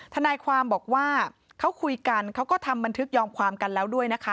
ทนายความบอกว่าเขาคุยกันเขาก็ทำบันทึกยอมความกันแล้วด้วยนะคะ